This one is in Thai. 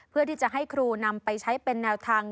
เพื่อที่จะให้ครูนำไปใช้เป็นแนวทาง